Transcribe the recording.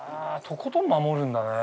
とことん守るんだね。